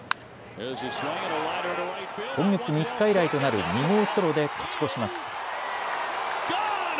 今月３日以来となる２号ソロで勝ち越します。